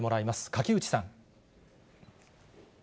垣内さん。